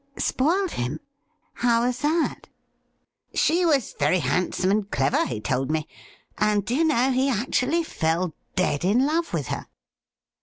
' Spoiled him ? How was that ?' MR. WALETS CHIEF 43 ' She was very handsome and clever, he told me. And, do you know, he actually fell dead in love with her.'